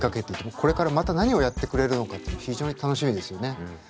これからまた何をやってくれるのかっての非常に楽しみですよね。